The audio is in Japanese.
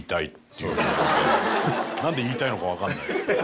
何で言いたいのか分かんないですけど。